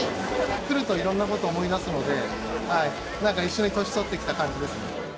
来るといろんなことを思い出すので、なんか一緒に年とってきた感じですね。